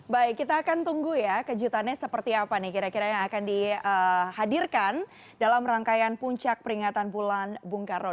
baik kita akan tunggu ya kejutannya seperti apa nih kira kira yang akan dihadirkan dalam rangkaian puncak peringatan bulan bung karno